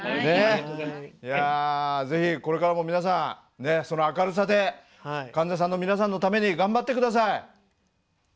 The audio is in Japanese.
ぜひこれからも皆さんその明るさで患者さんの皆さんのために頑張って下さい。